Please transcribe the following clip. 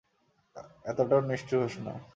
এতটাও নিষ্ঠুর হোস না।